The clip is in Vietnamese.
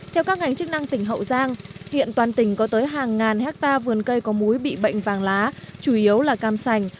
theo các ngành chức năng tỉnh hậu giang hiện toàn tỉnh có tới hàng ngàn hectare vườn cây có múi bị bệnh vàng lá chủ yếu là cam sành